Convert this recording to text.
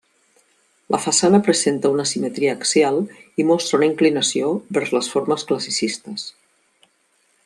La façana presenta una simetria axial i mostra una inclinació vers les formes classicistes.